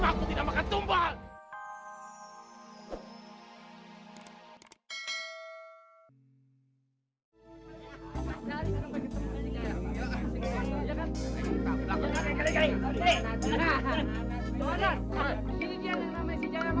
kamu sudah dapur ini istri saya nih